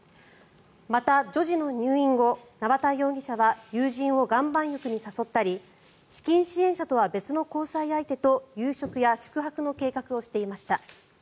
また、女児の入院後縄田容疑者は友人を岩盤浴に誘ったり資金支援者とは別の交際相手と夕食や宿泊の計画をしていました。